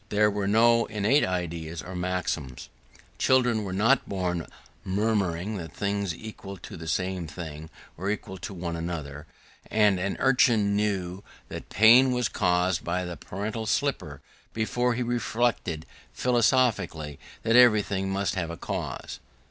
There were no innate ideas or maxims: children were not born murmuring that things equal to the same thing were equal to one another: and an urchin knew that pain was caused by the paternal slipper before he reflected philosophically that everything must have a cause.